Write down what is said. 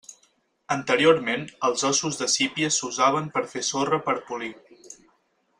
Anteriorment, els ossos de sípies s'usaven per fer sorra per a polir.